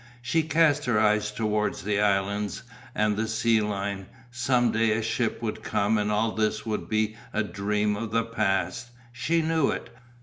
She cast her eyes towards the islands and the sea line; some day a ship would come and all this would be a dream of the past. She knew it.